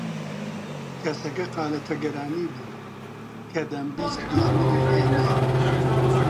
کەسەکە قالە تەگەرانی بوو کە دەمبیست دوژمنی ئێمەیە